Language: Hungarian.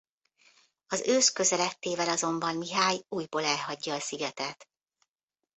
Az ősz közeledtével azonban Mihály újból elhagyja a szigetet.